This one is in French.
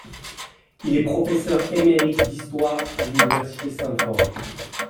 Il est professeur émérite d'histoire à l'université Stanford.